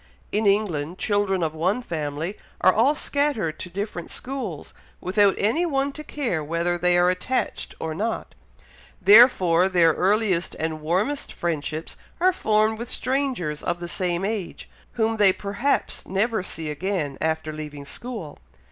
In England, children of one family are all scattered to different schools, without any one to care whether they are attached or not, therefore their earliest and warmest friendships are formed with strangers of the same age, whom they perhaps never see again, after leaving school.